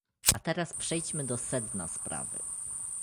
A teraz przejdźmy do sedna sprawy